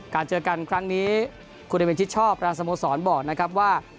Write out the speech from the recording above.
การเจอกันครั้งนี้หวัลสมสอนบอกนะครับว่า